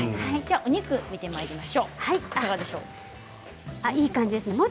お肉見ていきましょう。